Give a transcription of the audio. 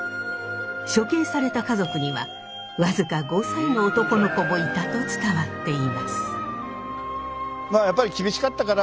処刑された家族には僅か５歳の男の子もいたと伝わっています。